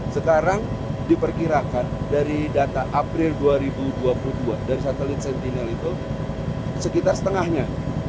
sekarang diperkirakan dari data april dua ribu dua puluh dua dari satelit sentinel itu sekitar setengahnya